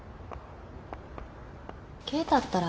敬太ったら